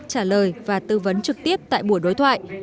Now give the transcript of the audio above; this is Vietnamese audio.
trả lời và tư vấn trực tiếp tại buổi đối thoại